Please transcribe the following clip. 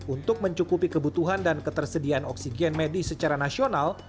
untuk mencukupi kebutuhan dan ketersediaan oksigen medis secara nasional